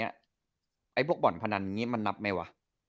ไอ้พวกบ่อนคณันมันนับไหมวะ